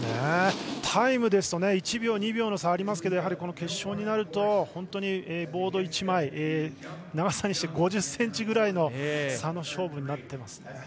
タイムですと１秒、２秒の差がありますが決勝になるとボード１枚長さにして５０ｃｍぐらいの差の勝負になっていますね。